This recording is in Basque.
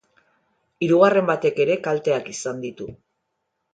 Hirugarren batek ere kalteak izan ditu.